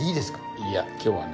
いや今日はね